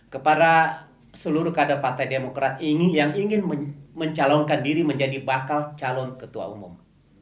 kepada seluruh kader partai demokrat ini yang ingin mencalonkan diri menjadi bakal calon ketua umum